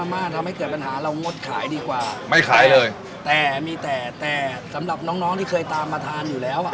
ไม่ขายดีกว่าไม่ขายเลยแต่มีแต่แต่สำหรับน้องที่เคยตามมาทานอยู่แล้ว